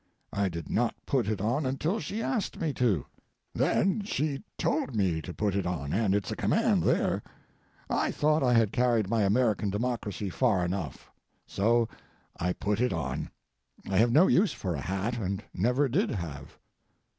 I did not put it on until she asked me to. Then she told me to put it on, and it's a command there. I thought I had carried my American democracy far enough. So I put it on. I have no use for a hat, and never did have.